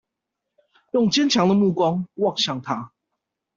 用堅強的目光望向他